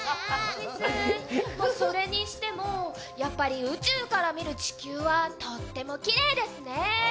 それにしても、やっぱり宇宙から見る地球はとってもきれいですね。